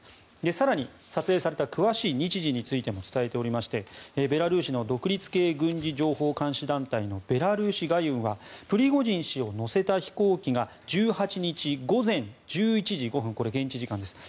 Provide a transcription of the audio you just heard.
更に、撮影された詳しい日時についても伝えていましてベラルーシの独立系軍事情報監視団体のベラルーシ・ガユンはプリゴジン氏を乗せた飛行機が１８日午前１１時５分にこれ、現地時間です。